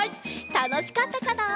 たのしかったかな？